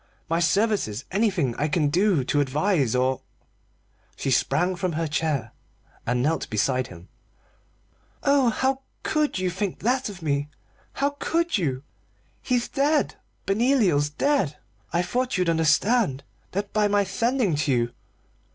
My services anything I can do to advise or " She sprang from her chair and knelt beside him. "Oh, how could you think that of me? How could you? He's dead Benoliel's dead. I thought you'd understand that by my sending to you.